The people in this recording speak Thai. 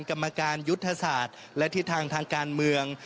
กรรมการยุทธศาสตร์และทิศทางทางการเมือง